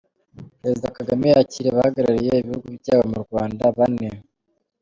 Perezida Kagame yakiriye abahagarariye ibihugu byabo mu Rwanda bane